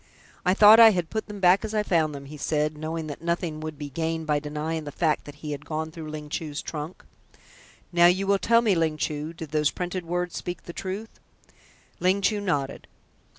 "I thought I had put them back as I had found them," he said, knowing that nothing could be gained by denying the fact that he had gone through Ling Chu's trunk. "Now, you will tell me, Ling Chu, did those printed words speak the truth?" Ling Chu nodded.